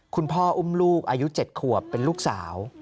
คุณพ่ออุ้มลูกอายุ๗ขวบเป็นลูกสาว